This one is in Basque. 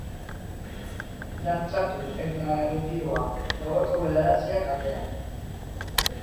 Dantzatu eta erretiroa, gaueko bederatziak aldean.